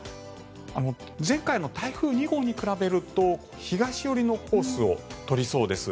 前回の台風２号に比べると東寄りのコースを取りそうです。